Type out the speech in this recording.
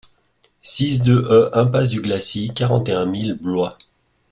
six deux e Impasse du Glacis, quarante et un mille Blois